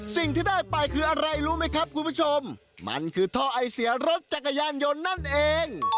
สิ่งที่ได้ไปคืออะไรรู้ไหมครับคุณผู้ชมมันคือท่อไอเสียรถจักรยานยนต์นั่นเอง